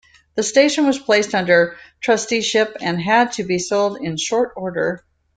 The station was placed under trusteeship, and had to be sold in short order.